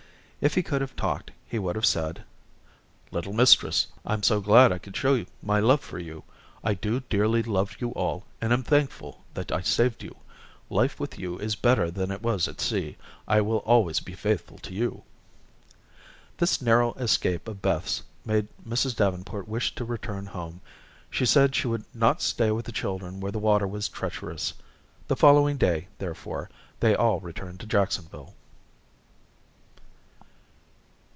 If he could have talked, he would have said: "Little mistress, I'm so glad I could show my love for you. I do dearly love you all, and am thankful that I saved you. Life with you is better than it was at sea. I will always be faithful to you." This narrow escape of Beth's made Mrs. Davenport wish to return home. She said she would not stay with the children where the water was treacherous. The following day, therefore, they all returned to Jacksonville.